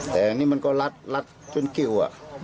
แต่ที่นี่มันก็ลัดจนกิ๊ว